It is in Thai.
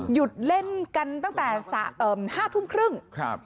หยุดเล่นกันตั้งแต่๕ทุ่มครึ่งครับ